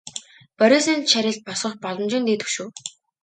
Борисын шарилд босгох боломжийн дээд хөшөө.